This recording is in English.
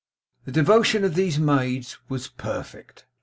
The devotion of these maids was perfect.